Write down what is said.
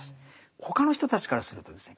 他の人たちからするとですね